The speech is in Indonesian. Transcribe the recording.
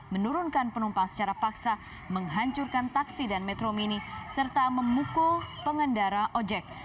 menurunkan penumpang secara paksa menghancurkan taksi dan metro mini serta memukul pengendara ojek